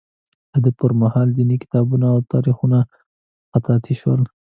د ده پر مهال دیني کتابونه او تاریخونه خطاطي شول.